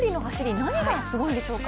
何がすごいんでしょうか？